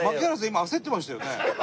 今焦ってましたよね。